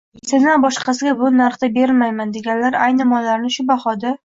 «Sendan boshqasiga bu narxda bermayman»,— deganlar, ayni mollarini shu bahoda